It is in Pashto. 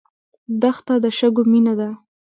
دښته د شګو مینه ده.